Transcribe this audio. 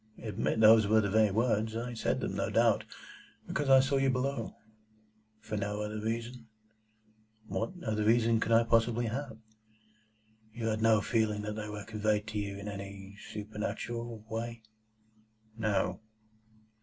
"Admit those were the very words. I said them, no doubt, because I saw you below." "For no other reason?" "What other reason could I possibly have?" "You had no feeling that they were conveyed to you in any supernatural way?" "No."